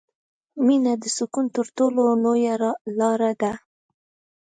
• مینه د سکون تر ټولو لویه لاره ده.